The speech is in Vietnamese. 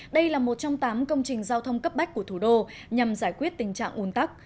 đây là một trong tám công trình giao thông cấp bách của thủ đô nhằm giải quyết tình trạng ủn tắc